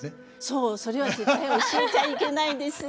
そうそれは絶対教えちゃいけないんです。